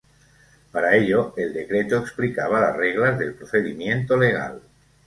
Para ello, el decreto explicaba las reglas del procedimiento legal.